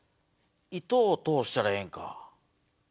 糸を通したらええんか。